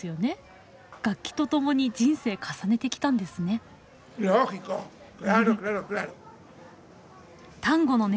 楽器と共に人生重ねてきたんですね。